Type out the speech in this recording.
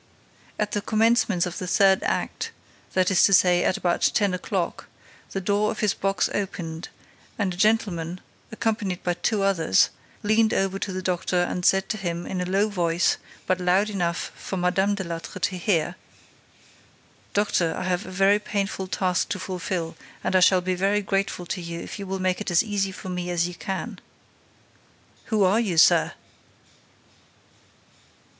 At the commencement of the third act, that is to say, at about ten o'clock, the door of his box opened and a gentleman, accompanied by two others, leaned over to the doctor and said to him, in a low voice, but loud enough for Mme. Delattre to hear: "Doctor, I have a very painful task to fulfil and I shall be very grateful to you if you will make it as easy for me as you can." "Who are you, sir?"